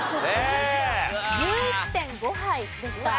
１１．５杯でした。